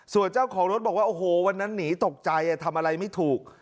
ส่วนเจ้าของรถบอกว่าโอ้โหวันนั้นหนีตกใจทำอะไรไม่ถูก